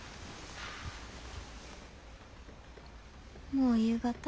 もう夕方？